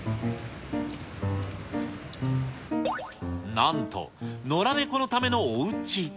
なんと、野良ネコのためのおうち。